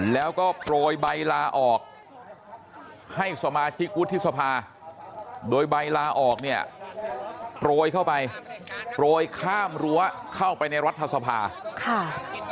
แล้วก็โปรยใบลาออกให้สมาชิกวุฒิสภาโดยใบลาออกเนี่ยโปรยเข้าไปโปรยข้ามรั้วเข้าไปในรัฐสภาค่ะ